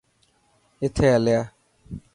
اٿي هليا.